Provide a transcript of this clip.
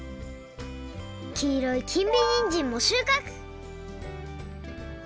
きいろい金美にんじんもしゅうかく！